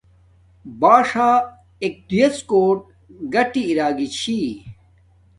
باݽا ایک دوݵ یݽڎ کوٹ گاٹی اراگی چھی